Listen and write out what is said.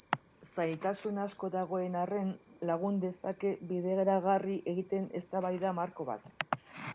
Zailtasun asko dagoen arren, lagun dezake bideragarri egiten eztabaida marko bat.